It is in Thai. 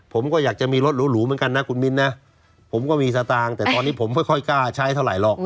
ผมก็อยากจะมีรถหรูเหมือนกันนะคุณมิ้นนะผมก็มีสตางค์แต่ตอนนี้ผมไม่ค่อยกล้าใช้เท่าไหร่